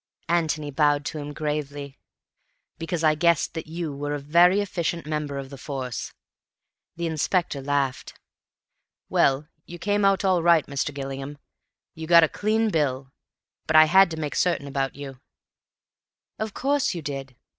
Antony bowed to him gravely. "Because I guessed that you were a very efficient member of the Force." The inspector laughed. "Well, you came out all right, Mr. Gillingham. You got a clean bill. But I had to make certain about you." "Of course you did.